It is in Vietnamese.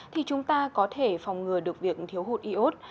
thì chúng ta có thể phòng ngừa được việc thiếu hụt y ốt